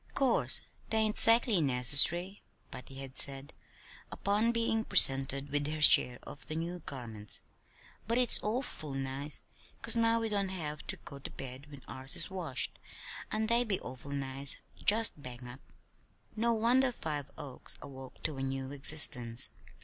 "'Course 'tain't 'zactly necessary," Patty had said, upon being presented with her share of the new garments, "but it's awful nice, 'cause now we don't have ter go ter bed when ours is washed an' they be awful nice! Just bang up!" No wonder Five Oaks awoke to a new existence!